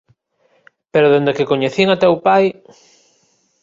Pero dende que coñecín a teu pai